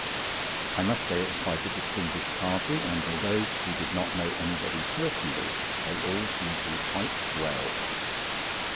I must say it was quite a distinguished party, and although we did not know anybody personally, they all seemed to be quite swells.